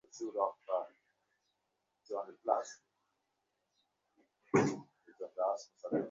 তিনি মসুল ভ্রমণ করেন।